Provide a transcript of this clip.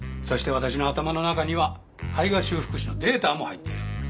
そして私の頭の中には絵画修復師のデータも入っている。